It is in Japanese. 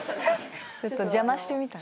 ちょっと邪魔してみたの。